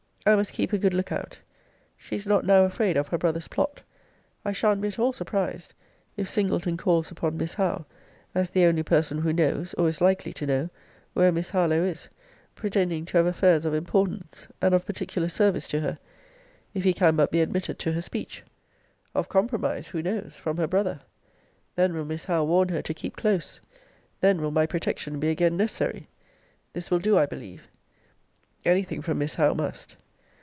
I must keep a good look out. She is not now afraid of her brother's plot. I shan't be at all surprised, if Singleton calls upon Miss Howe, as the only person who knows, or is likely to know, where Miss Harlowe is; pretending to have affairs of importance, and of particular service to her, if he can but be admitted to her speech Of compromise, who knows, from her brother? Then will Miss Howe warn her to keep close. Then will my protection be again necessary. This will do, I believe. Any thing from Miss Howe must.